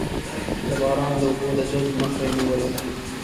چې د باران د اوبو د جذب مخه یې نېولې ده.